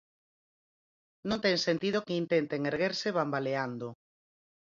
Non ten sentido que intenten erguerse bambaleando.